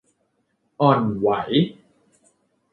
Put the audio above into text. อ่อนไหว